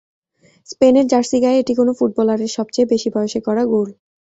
স্পেনের জার্সি গায়ে এটি কোনো ফুটবলারের সবচেয়ে বেশি বয়সে করা গোল।